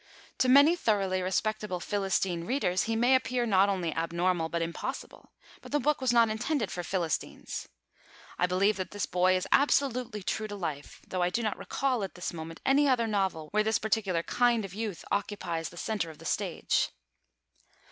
To many thoroughly respectable Philistine readers, he may appear not only abnormal, but impossible; but the book was not intended for Philistines. I believe that this boy is absolutely true to life, though I do not recall at this moment any other novel where this particular kind of youth occupies the centre of the stage.